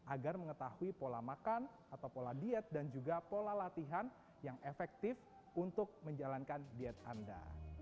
agar mengetahui pola makan atau pola diet dan juga pola latihan yang efektif untuk menjalankan diet anda